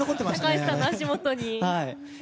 高橋さんの足元に。